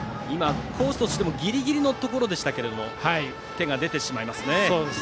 コースとしてもギリギリでしたが手が出てしまいますね。